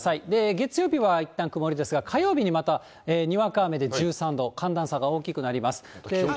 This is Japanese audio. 月曜日はいったん曇りですが、火曜日にまたにわか雨で１３度、寒暖差が大きくなります。